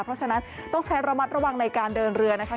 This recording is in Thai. เพราะฉะนั้นต้องใช้ระมัดระวังในการเดินเรือนะคะ